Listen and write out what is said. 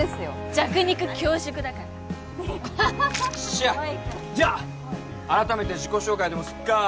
弱肉強食だからしゃっじゃあ改めて自己紹介でもすっかー